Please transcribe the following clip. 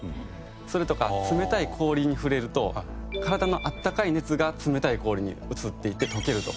それとか冷たい氷に触れると体の温かい熱が冷たい氷に移っていって溶けるとか。